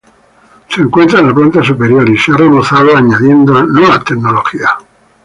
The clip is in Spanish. Se encuentra en la planta superior y se ha remozado añadiendo nuevas tecnologías.